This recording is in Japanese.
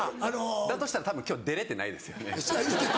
だとしたら多分今日出れてないですよね。